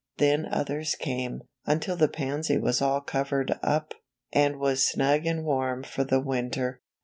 Then others came, until the pansy was all covered up, and was snug and warm for the winter.